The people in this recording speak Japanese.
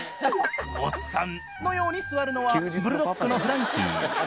おっさんのように座るのはブルドッグのフランキー。